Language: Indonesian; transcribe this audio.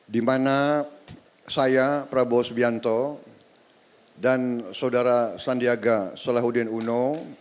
di mana saya prabowo subianto dan saudara sandiaga salahuddin uno